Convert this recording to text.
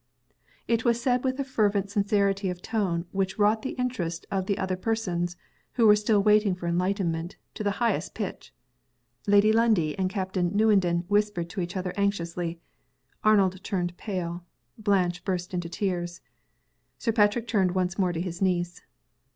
_" It was said with a fervent sincerity of tone which wrought the interest of the other persons, who were still waiting for enlightenment, to the highest pitch. Lady Lundie and Captain Newenden whispered to each other anxiously. Arnold turned pale. Blanche burst into tears. Sir Patrick turned once more to his niece.